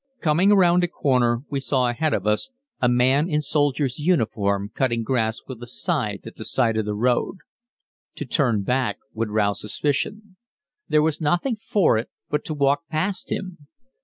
Coming round a corner, we saw ahead of us a man in soldier's uniform cutting grass with a scythe at the side of the road. To turn back would rouse suspicion. There was nothing for it but to walk past him.